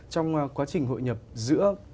trong quá trình hội nhập giữa